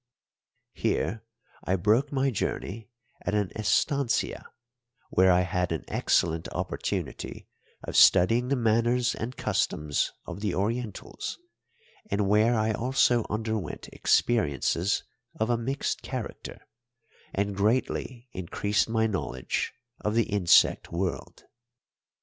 Here I broke my journey at an estancia where I had an excellent opportunity of studying the manners and customs of the Orientals, and where I also underwent experiences of a mixed character and greatly increased my knowledge of the insect world.